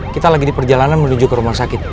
kita lagi di perjalanan menuju ke rumah sakit